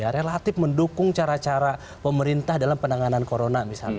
relatif mendukung cara cara pemerintah dalam penanganan corona